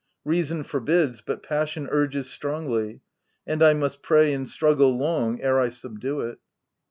Reason forbids, but passion urges strongly ; and I must pray and struggle long ere I subdue it.